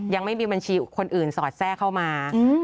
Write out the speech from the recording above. ยังไม่มีบัญชีคนอื่นสอดแทรกเข้ามา